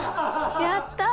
「やったー！